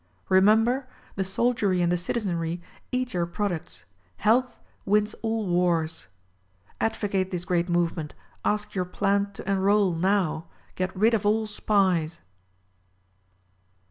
Remember: The soldiery and the citizenry eat your pro ducts : Health wins all wars. Advocate this great movement; ask your plant to enroll, now; get rid of all SPIES!